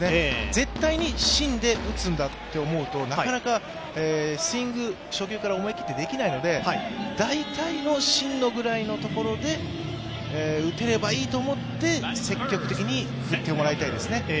絶対に芯で打つんだと思うと、なかなかスイングが初球から思い切ってできないので、大体の芯のぐらいのところで打てればいいと思って積極的に振ってもらいたいですね。